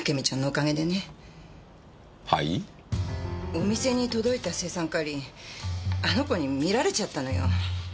お店に届いた青酸カリあの子に見られちゃったのよ。